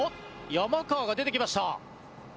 山川が出てきました。